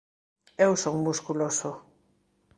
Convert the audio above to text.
Eu son musculoso.